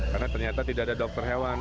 karena ternyata tidak ada dokter hewan